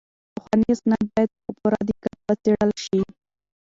پخواني اسناد باید په پوره دقت وڅیړل شي.